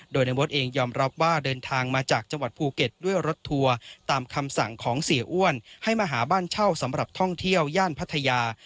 โดยนายมดเองยอมรับว่าเดินทางมาจากจังหวัดภูเก็ตด้วยรถทัวร์ตามคำสั่งของเสียอ้วนให้มาหาบ้านเช่าสำหรับท่องเที่ยวย่านพัทยา